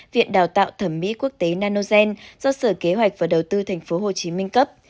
viện đào tạo thẩm mỹ quốc tế nanogen do sở kế hoạch và đầu tư tp hcm cấp